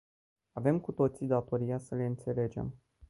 Avem cu toții datoria să le înțelegem.